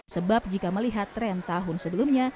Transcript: sebab jika melihat tren tahun sebelumnya